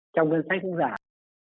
trong ngân sách cũng giảm